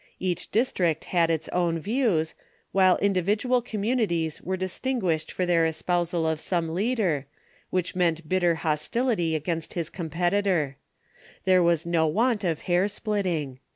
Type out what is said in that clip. Each district had its own views, while individual communities were distinguished for their espousal of some leader, other which meant bitter hostility against his compet Controversies ... itor. There was no want of hair splitting.